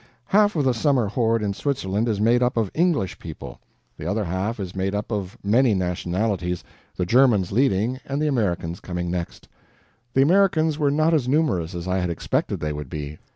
Half of the summer horde in Switzerland is made up of English people; the other half is made up of many nationalities, the Germans leading and the Americans coming next. The Americans were not as numerous as I had expected they would be.